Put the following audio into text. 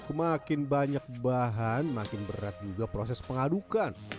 semakin banyak bahan makin berat juga proses pengadukan